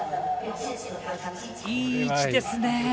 いい位置ですね。